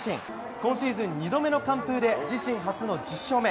今シーズン２度目の完封で自身初の１０勝目。